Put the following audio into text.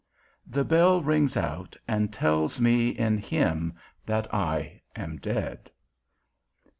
_The bell rings out, and tells me in him, that I am dead.